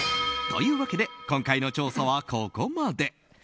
というわけで今回の調査はここまで。